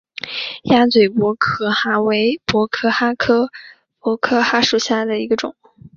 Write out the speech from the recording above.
鸭嘴薄壳蛤为薄壳蛤科薄壳蛤属下的一个种。